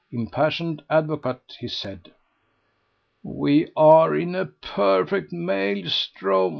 Impassioned advocate, he said." "We are in a perfect maelstrom!"